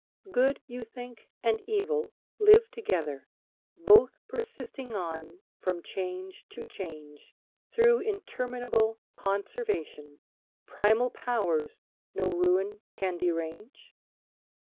Good, you think, and evil live together, Both persisting on from change to change Through interminable conservation, Primal powers no ruin can derange?